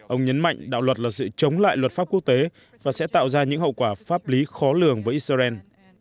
ông nhấn mạnh đạo luật là sự chống lại luật pháp quốc tế và sẽ tạo ra những hậu quả pháp lý khó lường với israel